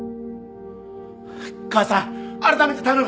母さん改めて頼む。